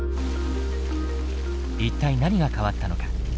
一体何が変わったのか。